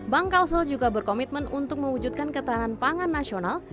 bank kalsel juga berkomitmen untuk mewujudkan ketahanan pangan nasional